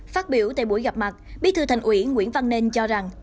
phát biểu tại buổi gặp mặt bí thư thành ủy nguyễn văn nên cho rằng